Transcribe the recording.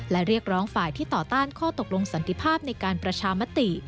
และเรียกร้องฝ่ายที่ต่อต้านข้อตกลงสันติภาพในการประชามติ